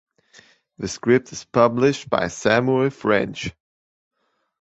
The script is published by Samuel French.